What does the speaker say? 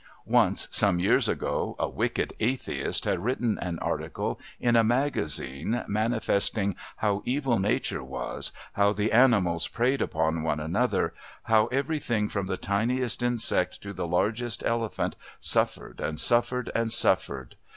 Once, some years ago, a wicked atheist had written an article in a magazine manifesting how evil nature was, how the animals preyed upon one another, how everything from the tiniest insect to the largest elephant suffered and suffered and suffered.